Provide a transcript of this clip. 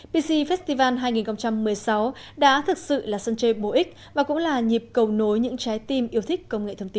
pc festival hai nghìn một mươi sáu đã thực sự là sân chơi bổ ích và cũng là nhịp cầu nối những trái tim yêu thích công nghệ thông tin